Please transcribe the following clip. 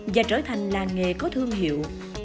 và trở thành làng nghề có thương hiệu